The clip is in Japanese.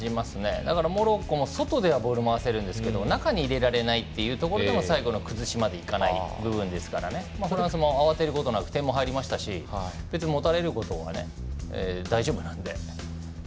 だからモロッコも外ではボールを回せるんですけど中に入れられないっていうところでも最後の崩しまでいかない部分ですからフランスも慌てることなく点も入りましたしもた